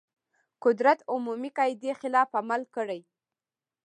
قدرت عمومي قاعدې خلاف عمل کړی.